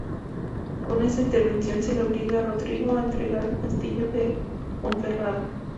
Con esta intervención, se le obliga a Rodrigo, a entregar el Castillo de Ponferrada.